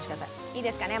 いいですかね？